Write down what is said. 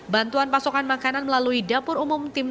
bantuan pasokan makanan melalui dapur umum tim